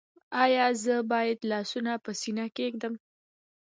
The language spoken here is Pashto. ایا زه باید لاسونه په سینه کیږدم؟